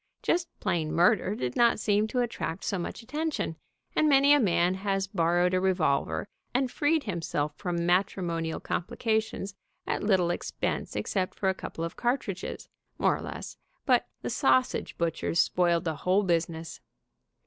Just plain murder did not seem to attract so much attention, and many a man has borrowed a revolver and freed himself from matrimonial complications at little ex pense except for a couple of cartridges, more or less, but the sausage butchers spoiled the whole business.